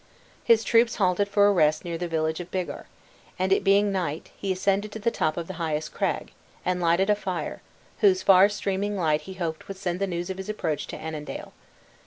His troops halted for rest near the village of Biggar; and it being night, he ascended to the top of the highest craig, and lighted a fire, whose far streaming light he hoped would send the news of his approach to Annandale.